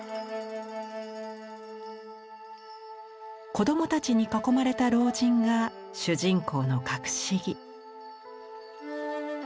子供たちに囲まれた老人が主人公の郭子儀。